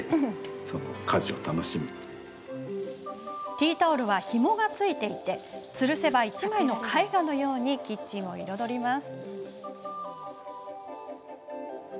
ティータオルはひもが付いていてつるせば１枚の絵画のようにキッチンを彩ります。